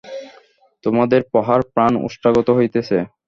তোমাদের প্রহারে প্রাণ ওষ্ঠাগত হইতেছে।